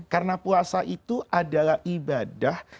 karena puasa itu adalah ibadah